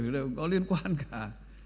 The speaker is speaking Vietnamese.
đều có liên quan cả